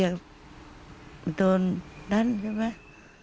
มันโดนนั้นใช่ไหม